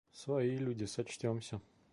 Свои люди сочтёмся!